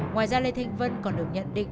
ngoài ra lê thanh vân còn được nhận định